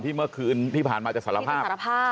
ที่เมื่อคืนที่ผ่านมาจะสารภาพ